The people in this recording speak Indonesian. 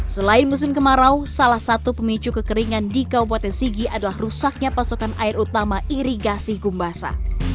selain musim kemarau salah satu pemicu kekeringan di kabupaten sigi adalah rusaknya pasokan air utama irigasi gumbasa